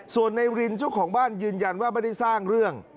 ส่วนในรินเจ้าของบ้านยืนยันว่าไม่ได้สร้างเรื่อง